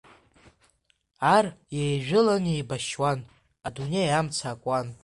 Ар иеижәылан еибашьуан, адунеи амца акуан.